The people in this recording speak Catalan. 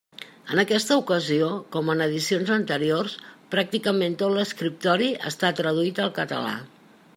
En aquesta ocasió, com en edicions anteriors, pràcticament tot l'escriptori està traduït al català.